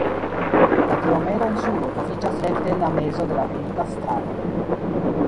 La Diomedo-insuloj troviĝas rekte en la mezo de la Beringa Strato.